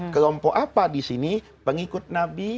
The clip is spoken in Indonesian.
kelompok apa disini pengikut nabi